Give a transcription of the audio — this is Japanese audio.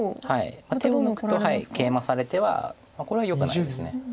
手を抜くとケイマされてはこれはよくないです。